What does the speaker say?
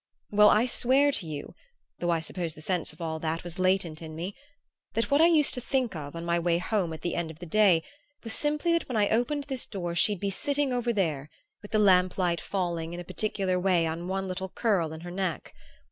Well, I swear to you (though I suppose the sense of all that was latent in me) that what I used to think of on my way home at the end of the day, was simply that when I opened this door she'd be sitting over there, with the lamp light falling in a particular way on one little curl in her neck....